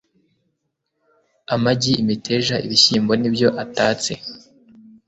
amagi, imiteja , ibishyimbo nibyo atatse